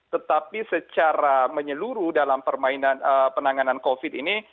tetapi secara menyeluruh dalam permainan penanganan covid ini